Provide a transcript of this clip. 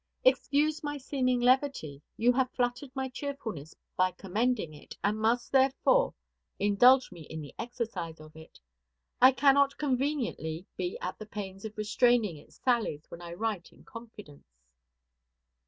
Excuse my seeming levity. You have flattered my cheerfulness by commending it, and must, therefore, indulge me in the exercise of it. I cannot conveniently be at the pains of restraining its sallies when I write in confidence.